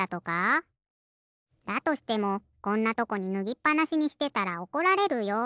だとしてもこんなとこにぬぎっぱなしにしてたらおこられるよ。